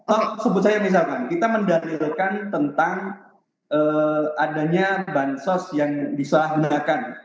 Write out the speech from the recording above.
oh sebut saja misalkan kita mendalilkan tentang adanya bansos yang disalahgunakan